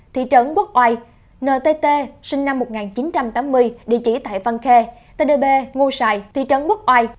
thị trấn quốc ai ntt sinh năm một nghìn chín trăm tám mươi địa chỉ tại văn khê tây đề bê ngô sơn thị trấn quốc ai